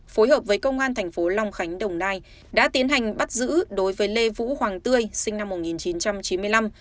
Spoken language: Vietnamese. phối hợp với công an thành phố long khánh đồng nai đã tiến hành bắt giữ đối với lê vũ hoàng tươi sinh năm một nghìn chín trăm chín mươi năm